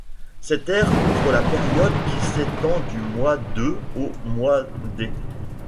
Cette ère couvre la période qui s'étend du mois de au mois d'.